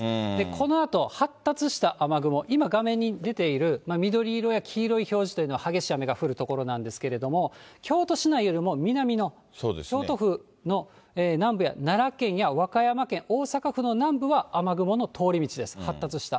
このあと発達した雨雲、今、画面に出ている緑色や黄色い表示というのは激しい雨が降る所なんですけれども、京都市内よりも南の京都府の南部や奈良県や和歌山県、大阪府の南部は、雨雲の通り道です、発達した。